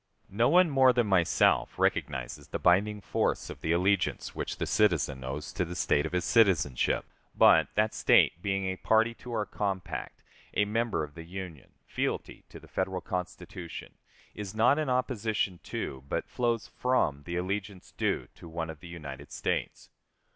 No one more than myself recognizes the binding force of the allegiance which the citizen owes to the State of his citizenship, but, that State being a party to our compact, a member of the Union, fealty to the Federal Constitution is not in opposition to, but flows from the allegiance due to, one of the United States.